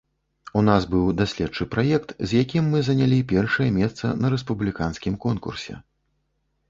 У нас быў даследчы праект, з якім мы занялі першае месца на рэспубліканскім конкурсе.